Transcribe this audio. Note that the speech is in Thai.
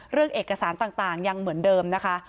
เรื่องเอกสารต่างยังเหมือนเดิมนะคะ